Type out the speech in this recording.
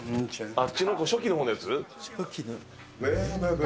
あっちの初期のほうのやつ？